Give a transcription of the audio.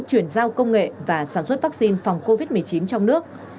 chuyển giao công nghệ và sản xuất vaccine phòng covid một mươi chín trong nước